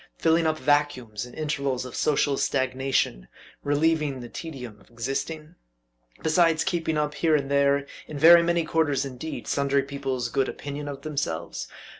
filling up vacuums, in intervals of social stagnation relieving the tedium of existing ? besides keeping up, here and there, in very many quarters indeed, sundry people's good opinion of themselves?